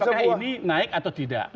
apakah ini naik atau tidak